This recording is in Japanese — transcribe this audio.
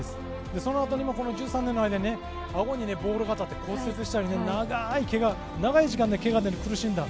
そのあとにも１３年の間にあごにボールが当たって骨折したりして長い時間けがで苦しんだ。